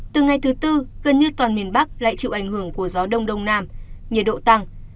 từ ngày thứ tư gần như toàn miền bắc lại chịu ảnh hưởng của gió đông đông nam nhiệt độ tăng